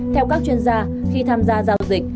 theo các chuyên gia khi tham gia giao dịch